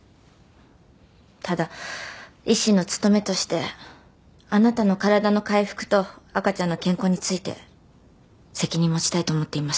ただ医師の務めとしてあなたの体の回復と赤ちゃんの健康について責任持ちたいと思っています。